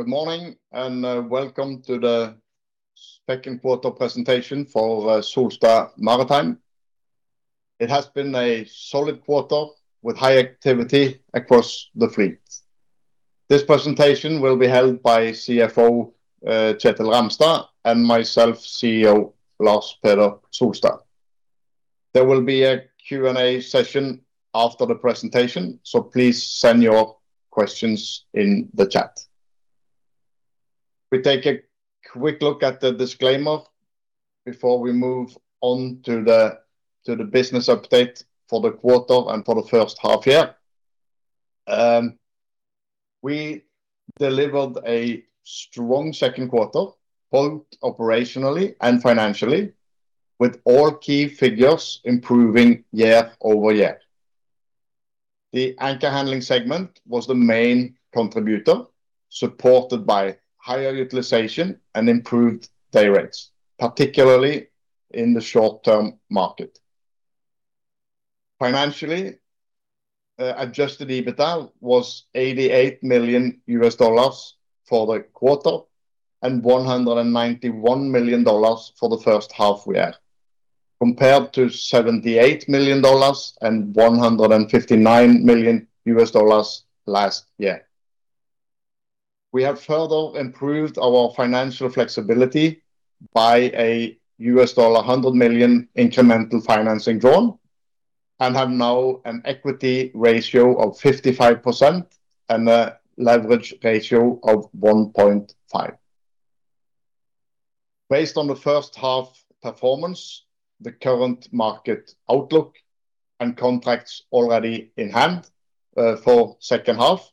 Good morning and welcome to the second quarter presentation for Solstad Maritime. It has been a solid quarter with high activity across the fleet. This presentation will be held by CFO, Kjetil Ramstad, and myself, CEO, Lars Peder Solstad. There will be a Q&A session after the presentation. Please send your questions in the chat. We take a quick look at the disclaimer before we move on to the business update for the quarter and for the first half year. We delivered a strong second quarter, both operationally and financially, with all key figures improving year-over-year. The anchor handling segment was the main contributor, supported by higher utilization and improved day rates, particularly in the short-term market. Financially, adjusted EBITDA was $88 million for the quarter and $191 million for the first half year, compared to $78 million and $159 million last year. Have further improved our financial flexibility by a $100 million incremental financing drawn, and have now an equity ratio of 55% and a leverage ratio of 1.5x. Based on the first half performance, the current market outlook and contracts already in hand for second half,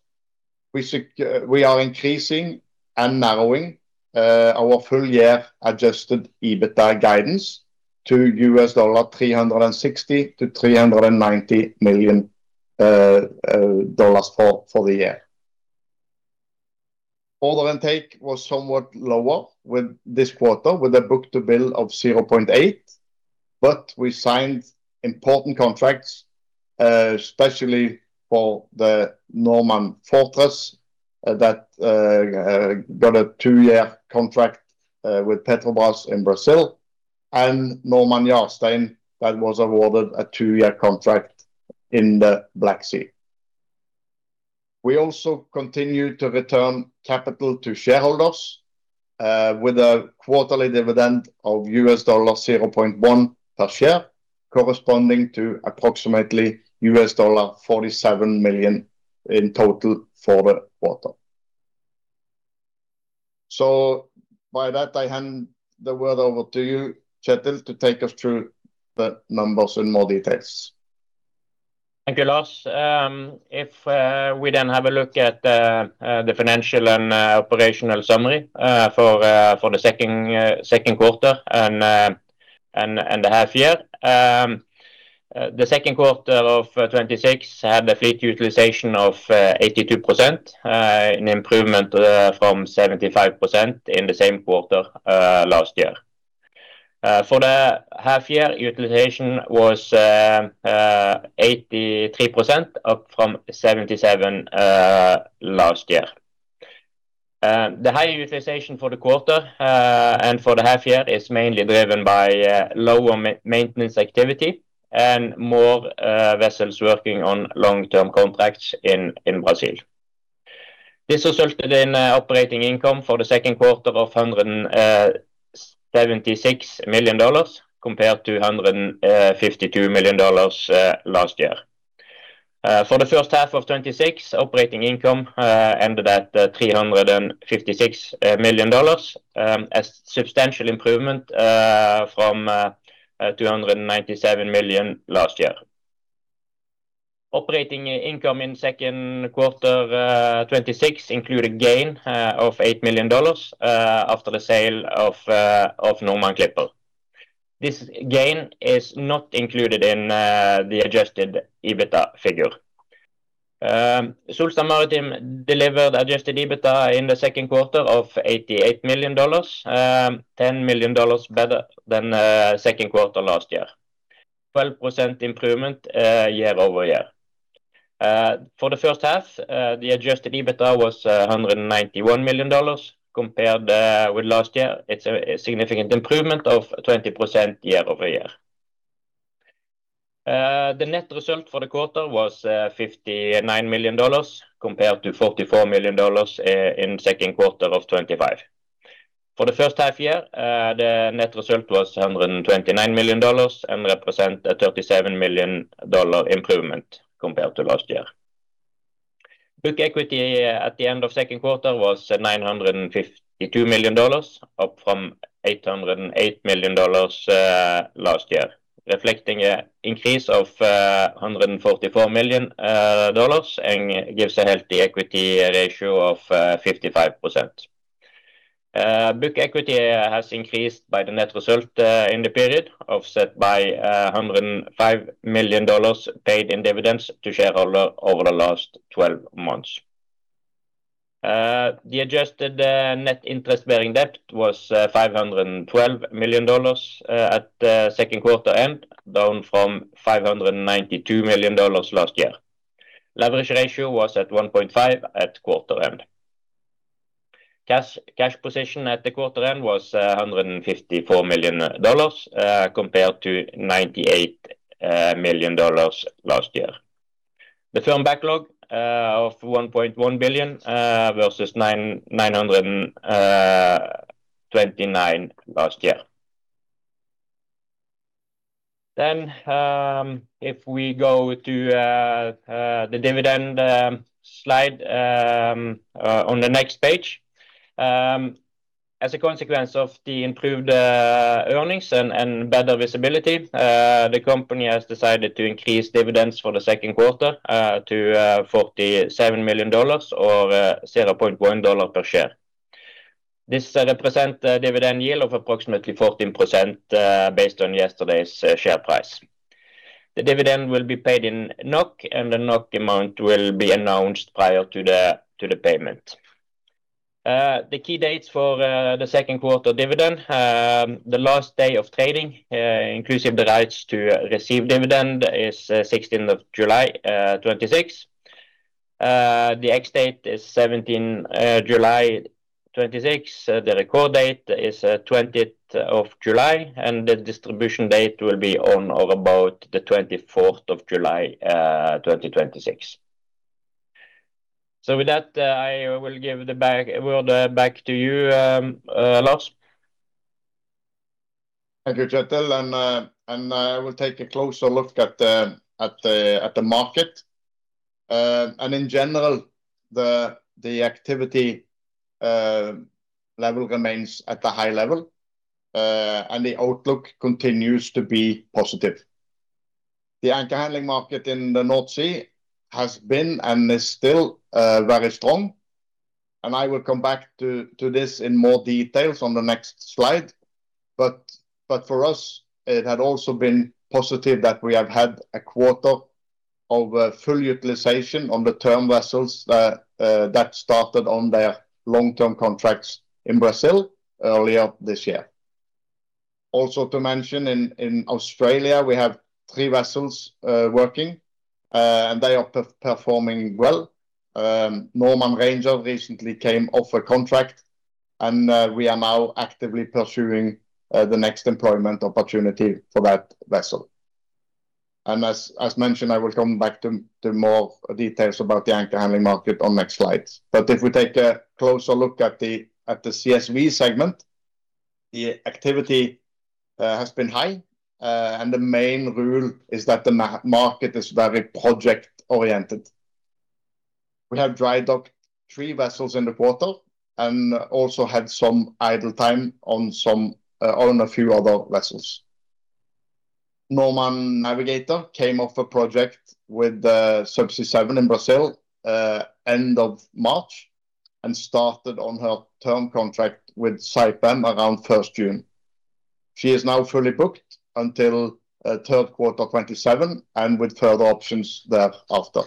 we are increasing and narrowing our full year adjusted EBITDA guidance to $360 million-$390 million for the year. We signed important contracts, especially for the Normand Fortress that got a two-year contract with Petrobras in Brazil, and Normand Jarstein that was awarded a two-year contract in the Black Sea. We also continue to return capital to shareholders with a quarterly dividend of $0.1 per share, corresponding to approximately $47 million in total for the quarter. By that, I hand the word over to you, Kjetil, to take us through the numbers in more details. Thank you, Lars. We have a look at the financial and operational summary for the second quarter and the half year. The second quarter of 2026 had a fleet utilization of 82%, an improvement from 75% in the same quarter last year. For the half year, utilization was 83%, up from 77% last year. The high utilization for the quarter and for the half year is mainly driven by lower maintenance activity and more vessels working on long-term contracts in Brazil. This resulted in operating income for the second quarter of $176 million, compared to $152 million last year. For the first half of 2026, operating income ended at $356 million, a substantial improvement from $297 million last year. Operating income in second quarter 2026 included gain of $8 million after the sale of Normand Clipper. This gain is not included in the adjusted EBITDA figure. Solstad Maritime delivered adjusted EBITDA in the second quarter of $88 million, $10 million better than second quarter last year, 12% improvement year-over-year. For the first half, the adjusted EBITDA was $191 million, compared with last year. It's a significant improvement of 20% year-over-year. The net result for the quarter was $59 million, compared to $44 million in second quarter of 2025. For the first half year, the net result was $129 million and represent a $37 million improvement compared to last year. Book equity at the end of second quarter was $952 million, up from $808 million last year, reflecting an increase of $144 million and gives a healthy equity ratio of 55%. Book equity has increased by the net result in the period, offset by $105 million paid in dividends to shareholder over the last 12 months. The adjusted net interest-bearing debt was $512 million at second quarter end, down from $592 million last year. Leverage ratio was at 1.5x at quarter end. Cash position at the quarter end was $154 million, compared to $98 million last year. The firm backlog of $1.1 billion versus $929 last year. If we go to the dividend slide on the next page. As a consequence of the improved earnings and better visibility, the company has decided to increase dividends for the second quarter to $47 million or $0.1 per share. This represent a dividend yield of approximately 14%, based on yesterday's share price. The dividend will be paid in NOK, and the NOK amount will be announced prior to the payment. The key dates for the second quarter dividend. The last day of trading, inclusive the rights to receive dividend is 16th of July, 2026. The ex-date is 17 July 2026. The record date is 20th of July, and the distribution date will be on or about the 24th of July 2026. With that, I will give the word back to you, Lars. Thank you, Kjetil. I will take a closer look at the market. In general, the activity level remains at the high level, and the outlook continues to be positive. The anchor handling market in the North Sea has been and is still very strong. I will come back to this in more details on the next slide. For us, it had also been positive that we have had a quarter of full utilization on the term vessels that started on their long-term contracts in Brazil earlier this year. Also to mention in Australia, we have three vessels working, and they are performing well. Normand Ranger recently came off a contract and we are now actively pursuing the next employment opportunity for that vessel. As mentioned, I will come back to more details about the anchor handling market on next slides. If we take a closer look at the CSV segment, the activity has been high. The main rule is that the market is very project-oriented. We have dry docked three vessels in the quarter and also had some idle time on a few other vessels. Normand Navigator came off a project with Subsea7 in Brazil end of March and started on her term contract with Saipem around 1st June. She is now fully booked until third quarter 2027 and with further options thereafter.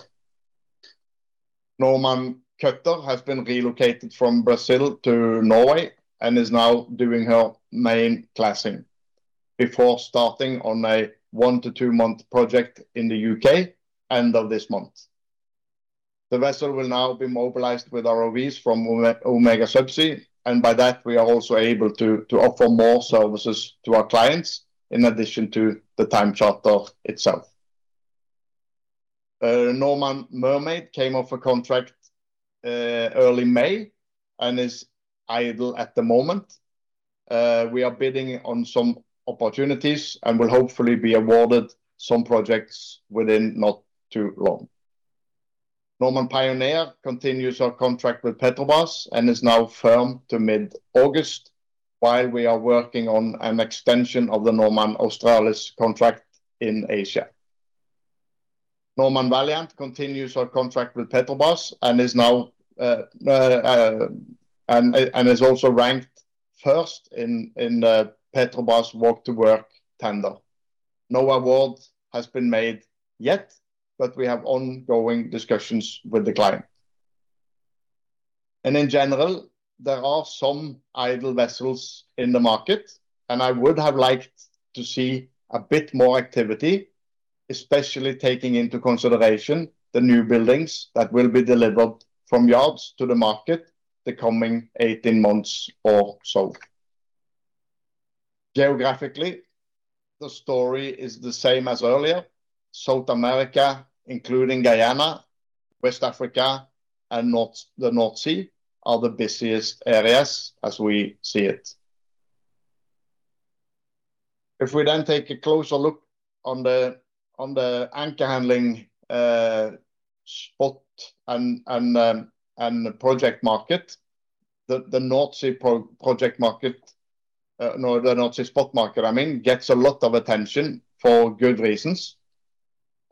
Normand Cutter has been relocated from Brazil to Norway and is now doing her main classing before starting on a one-to-two-month project in the U.K. end of this month. The vessel will now be mobilized with ROVs from Omega Subsea, and by that, we are also able to offer more services to our clients in addition to the time charter itself. Normand Mermaid came off a contract early May and is idle at the moment. We are bidding on some opportunities and will hopefully be awarded some projects within not too long. Normand Pioneer continues her contract with Petrobras and is now firm to mid-August, while we are working on an extension of the Normand Australis contract in Asia. Normand Valiant continues her contract with Petrobras and is also ranked first in the Petrobras walk-to-work tender. No award has been made yet, but we have ongoing discussions with the client. In general, there are some idle vessels in the market, and I would have liked to see a bit more activity, especially taking into consideration the new buildings that will be delivered from yards to the market the coming 18 months or so. Geographically, the story is the same as earlier. South America, including Guyana, West Africa, and the North Sea, are the busiest areas as we see it. If we take a closer look at the anchor handling spot and the project market, the North Sea project market, the North Sea spot market, I mean, gets a lot of attention for good reasons.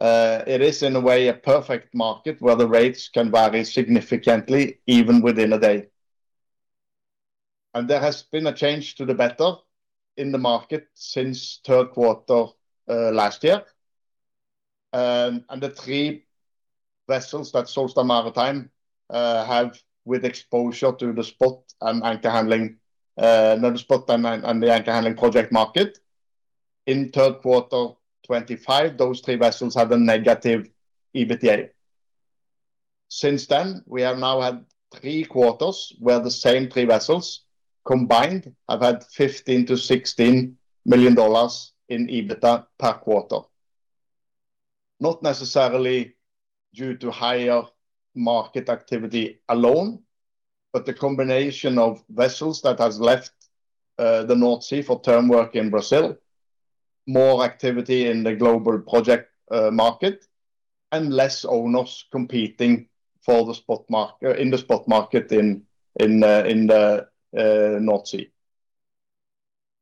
It is, in a way, a perfect market where the rates can vary significantly, even within a day. There has been a change to the better in the market since third quarter last year. The three vessels that Solstad Maritime have with exposure to the spot and anchor handling project market. In third quarter 2025, those three vessels have a negative EBITDA. Since then, we have now had three quarters where the same three vessels combined have had $15 million-$16 million in EBITDA per quarter. Not necessarily due to higher market activity alone, but the combination of vessels that has left the North Sea for term work in Brazil, more activity in the global project market, and less owners competing in the spot market in the North Sea.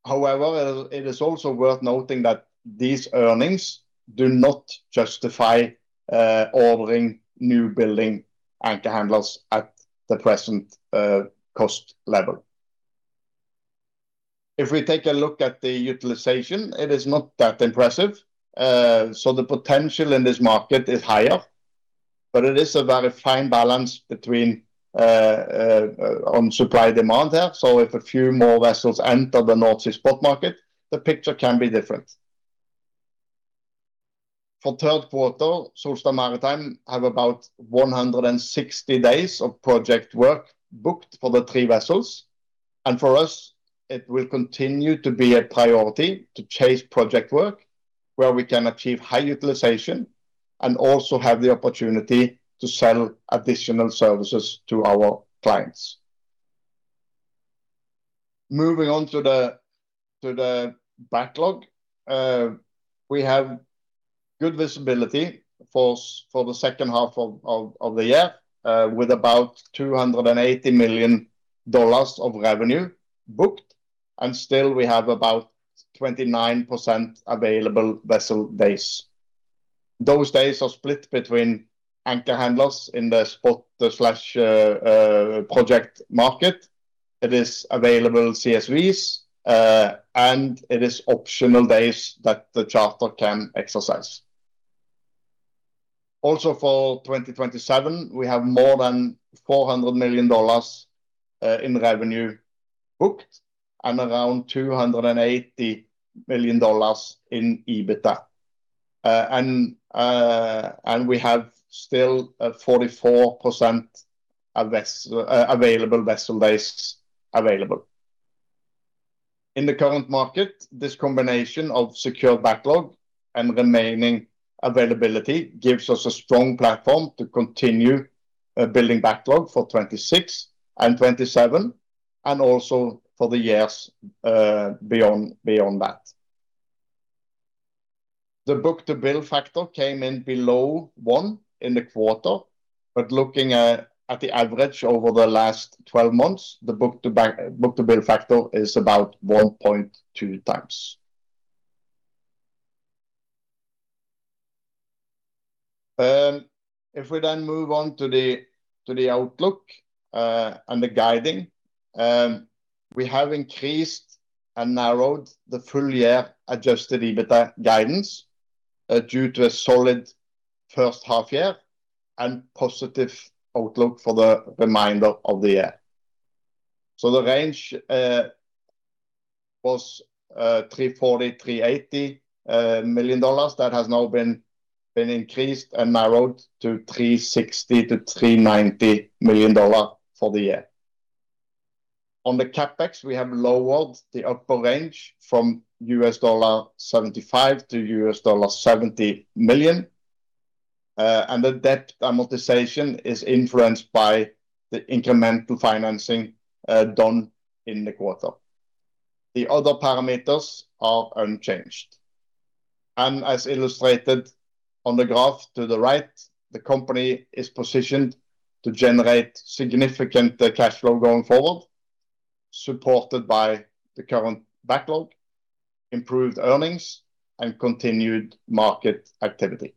However, it is also worth noting that these earnings do not justify ordering new building anchor handlers at the present cost level. If we take a look at the utilization, it is not that impressive. The potential in this market is higher, but it is about a fine balance between supply and demand here. If a few more vessels enter the North Sea spot market, the picture can be different. For third quarter, Solstad Maritime have about 160 days of project work booked for the three vessels. For us, it will continue to be a priority to chase project work where we can achieve high utilization and also have the opportunity to sell additional services to our clients. Moving on to the backlog. We have good visibility for the second half of the year, with about $280 million of revenue booked, and still we have about 29% available vessel days. Those days are split between anchor handlers in the spot/project market. It is available CSVs, and it is optional days that the charter can exercise. For 2027, we have more than $400 million in revenue booked and around $280 million in EBITDA. We have still a 44% available vessel days available. In the current market, this combination of secure backlog and remaining availability gives us a strong platform to continue building backlog for 2026 and 2027, and also for the years beyond that. The book-to-bill factor came in below one in the quarter, but looking at the average over the last 12 months, the book-to-bill factor is about 1.2x. We move on to the outlook and the guiding, we have increased and narrowed the full year adjusted EBITDA guidance due to a solid first half year and positive outlook for the remainder of the year. The range was $340 million-$380 million. That has now been increased and narrowed to $360 million-$390 million for the year. The CapEx, we have lowered the upper range from $75 million-$70 million. The debt amortization is influenced by the incremental financing done in the quarter. The other parameters are unchanged. As illustrated on the graph to the right, the company is positioned to generate significant cash flow going forward, supported by the current backlog, improved earnings, and continued market activity.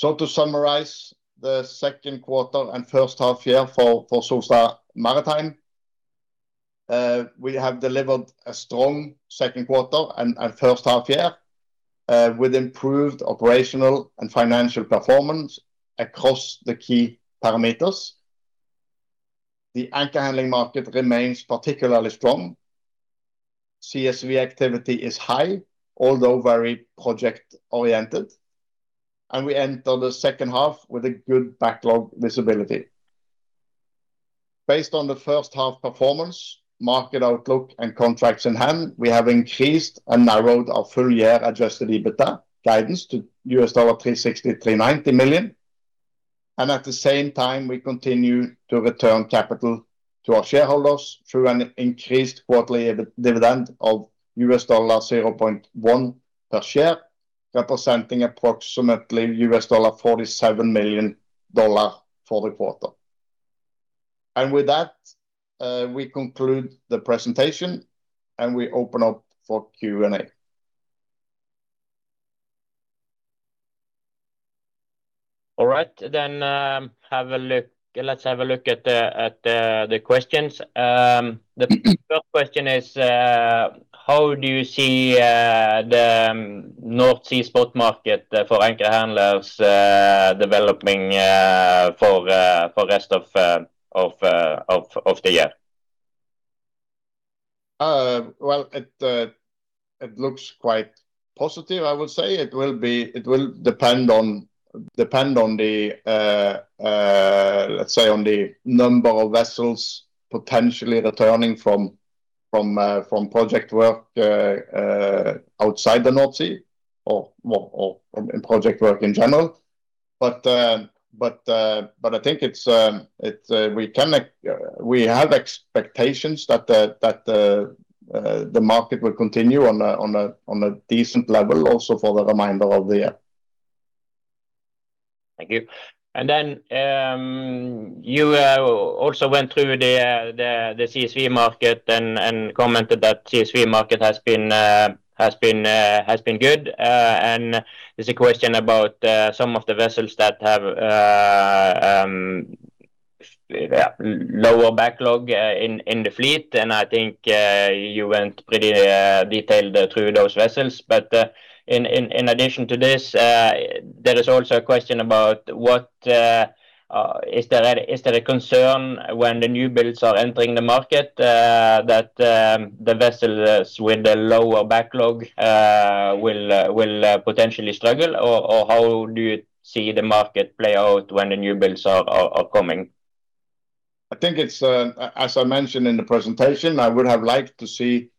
To summarize the second quarter and first half year for Solstad Maritime, we have delivered a strong second quarter and first half year, with improved operational and financial performance across the key parameters. The anchor handling market remains particularly strong. CSV activity is high, although very project-oriented. We enter the second half with a good backlog visibility. Based on the first half performance, market outlook, and contracts in hand, we have increased and narrowed our full year adjusted EBITDA guidance to $360 million-$390 million. At the same time, we continue to return capital to our shareholders through an increased quarterly dividend of $0.1 per share, representing approximately $47 million for the quarter. With that, we conclude the presentation and we open up for Q&A. All right. Let's have a look at the questions. The first question is, how do you see the North Sea spot market for anchor handlers developing for rest of the year? Well, it looks quite positive, I will say. It will depend on, let's say, the number of vessels potentially returning from project work outside the North Sea or from project work in general. I think we have expectations that the market will continue on a decent level also for the remainder of the year. Thank you. You also went through the CSV market and commented that CSV market has been good. There's a question about some of the vessels that have lower backlog in the fleet, and I think you went pretty detailed through those vessels. In addition to this, there is also a question about is there a concern when the new builds are entering the market that the vessels with the lower backlog will potentially struggle? How do you see the market play out when the new builds are coming? I think it's, as I mentioned in the presentation, I would have liked to see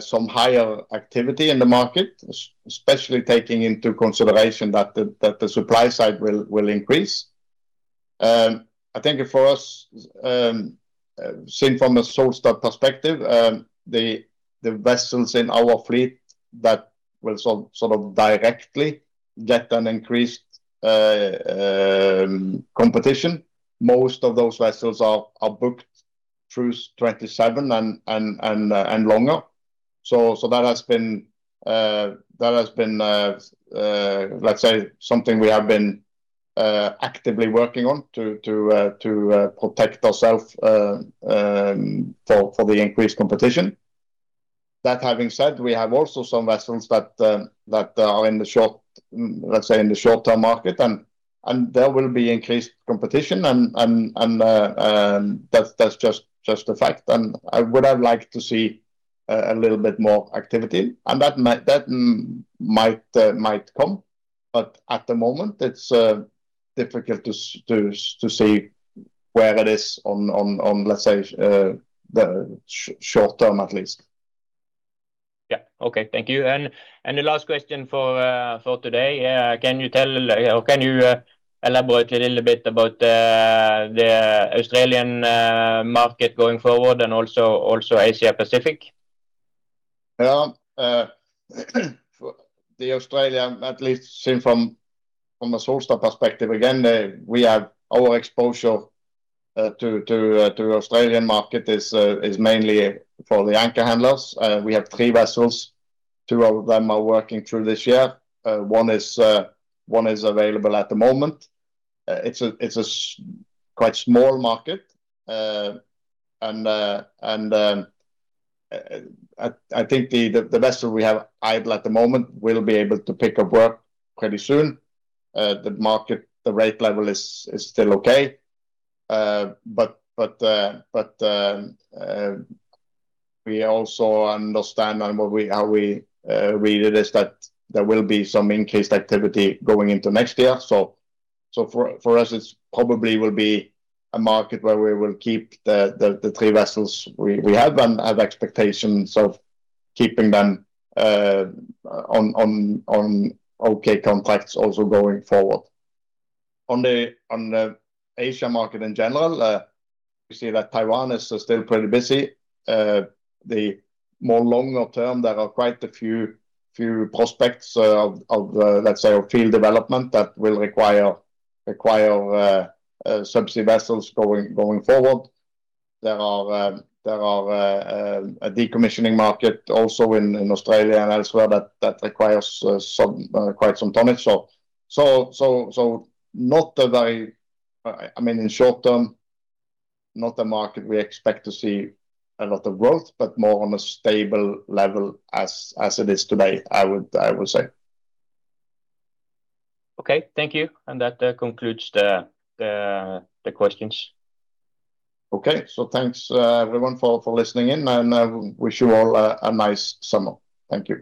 some higher activity in the market, especially taking into consideration that the supply side will increase. I think for us, seen from a Solstad perspective, the vessels in our fleet that will sort of directly get an increased competition. Most of those vessels are booked through 2027 and longer. That has been, let's say, something we have been actively working on to protect ourselves for the increased competition. That having said, we have also some vessels that are in the short term market, and there will be increased competition and that's just a fact. I would have liked to see a little bit more activity, and that might come, but at the moment, it's difficult to see where it is on, let's say, the short term at least. Yeah, okay. Thank you. The last question for today, can you elaborate a little bit about the Australian market going forward and also Asia Pacific? Yeah. The Australian, at least seen from a Solstad perspective, again, our exposure to Australian market is mainly for the anchor handlers. We have three vessels. Two of them are working through this year. One is available at the moment. It's a quite small market. I think the vessel we have idle at the moment will be able to pick up work pretty soon. The market, the rate level is still okay. We also understand and how we read it is that there will be some increased activity going into next year. For us, it probably will be a market where we will keep the three vessels we have and have expectations of keeping them on okay contracts also going forward. On the Asia market in general, you see that Taiwan is still pretty busy. The more longer term, there are quite a few prospects of, let's say, field development that will require subsea vessels going forward. There are a decommissioning market also in Australia and elsewhere that requires quite some tonnage. Not a very, I mean, in short term, not a market we expect to see a lot of growth, but more on a stable level as it is today, I would say. Okay. Thank you. That concludes the questions. Okay. Thanks everyone for listening in, and wish you all a nice summer. Thank you.